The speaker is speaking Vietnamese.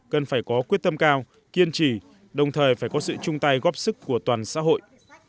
cần phải có quyết tâm cao kiên trì đồng thời phải có sự chung tay góp sức của toàn xã hội